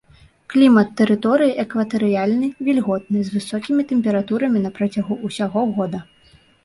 Клімат тэрыторыі экватарыяльны, вільготны, з высокімі тэмпературамі на працягу ўсяго года.